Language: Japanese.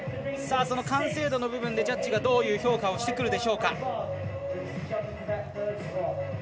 その完成度の部分でジャッジがどういう評価をしてくるでしょうか。